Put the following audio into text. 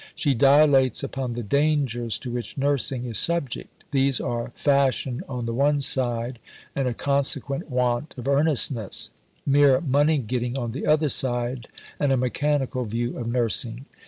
She dilates upon the dangers to which nursing is subject. These are "Fashion on the one side, and a consequent want of earnestness; mere money getting on the other side; and a mechanical view of nursing."